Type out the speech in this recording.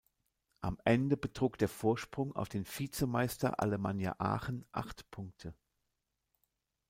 Am Ende betrug der Vorsprung auf den Vize-Meister Alemannia Aachen acht Punkte.